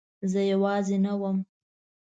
زه یوازې نه وم.